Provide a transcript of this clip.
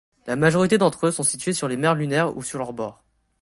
La majorité d'entre eux sont situés sur les mers lunaires ou sur leurs bords.